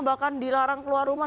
bahkan dilarang keluar rumah